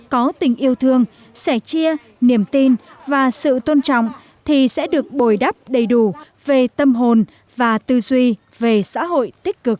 có tình yêu thương sẻ chia niềm tin và sự tôn trọng thì sẽ được bồi đắp đầy đủ về tâm hồn và tư duy về xã hội tích cực